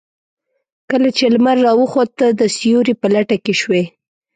کله چې لمر راوخت تۀ د سيوري په لټه کې شوې.